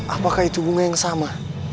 apakah itu bunga yang sama